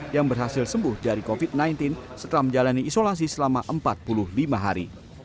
yang berhasil sembuh dari covid sembilan belas setelah menjalani isolasi selama empat puluh lima hari